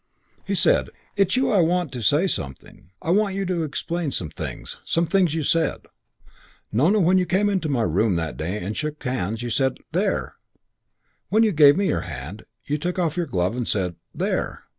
He said, "It's you I want to say something. I want you to explain some things. Some things you said. Nona, when you came into my room that day and shook hands you said, 'There!' when you gave me your hand. You took off your glove and said, 'There!'